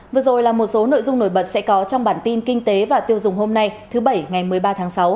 chào mừng quý vị đến với bản tin kinh tế và tiêu dùng hôm nay thứ bảy ngày một mươi ba tháng sáu